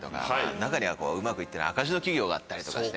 中にはうまく行ってない赤字の企業があったりとかして。